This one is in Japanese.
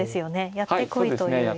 やってこいというような。